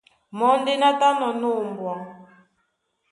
Mɔ́ ndé ná tánɔ̄ ná ombwa.